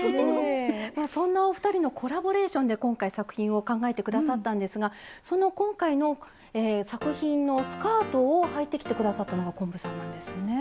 そんなお二人のコラボレーションで今回作品を考えて下さったんですがその今回の作品のスカートをはいてきて下さったのが昆布さんなんですね。